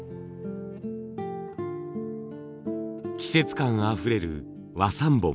季節感あふれる和三盆。